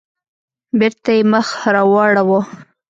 بېرته يې مخ راواړاوه.